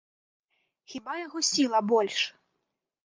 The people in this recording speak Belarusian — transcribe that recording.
Хіба яго сіла больш?